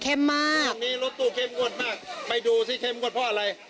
ช่วงนี้รถตู้เข้มงวดมากไปดูสิเข้มงวดเพราะอะไร